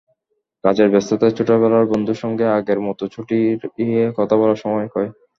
কাজের ব্যস্ততায় ছোটবেলার বন্ধুর সঙ্গে আগের মতো চুটিয়ে কথা বলার সময় কই।